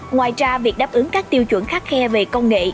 ngoài ra việc đáp ứng các tiêu chuẩn khắc khe về công nghệ